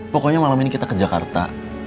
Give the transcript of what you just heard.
pokoknya malam ini kita ke jakarta